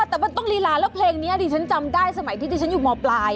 แต่มันต้องลีลาแล้วเพลงนี้ดิฉันจำได้สมัยที่ดิฉันอยู่มปลาย